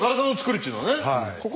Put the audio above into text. っちゅうのはね。